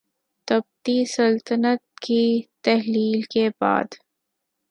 تبتی سلطنت کی تحلیل کے بعد